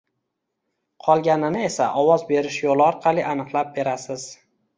Qolganini esa ovoz berish yoʻli orqali aniqlab berasiz.